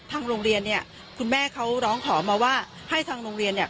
ทางโรงเรียนเนี่ยคุณแม่เขาร้องขอมาว่าให้ทางโรงเรียนเนี่ย